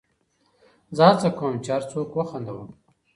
زه هڅه کوم، چي هر څوک وخندوم.